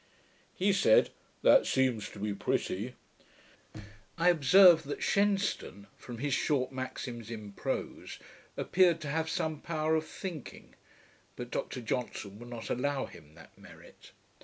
"' He said, 'That seems to be pretty.' I observed that Shenstone, from his short maxims in prose, appeared to have some power of thinking; but Dr Johnson would not allow him that merit.